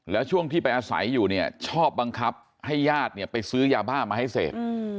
แล้วช่วงที่ไปอาศัยอยู่เนี่ยชอบบังคับให้ญาติเนี่ยไปซื้อยาบ้ามาให้เสพ